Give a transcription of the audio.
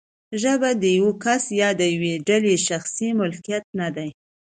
ژبه د یو کس یا یوې ډلې شخصي ملکیت نه دی.